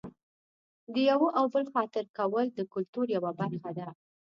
د یوه او بل خاطر کول د کلتور یوه برخه ده.